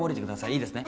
いいですね？